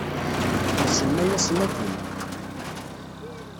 Nsemma-yasen akken.